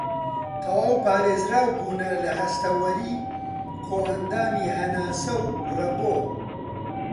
تەواو پارێزراوبوونە لە هەستەوەری کۆئەندامی هەناسە و رەبۆ